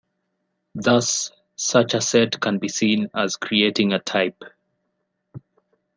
Thus, such a set can be seen as creating a type.